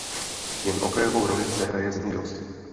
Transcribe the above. Jen okrajovou roli zde hraje zemědělství.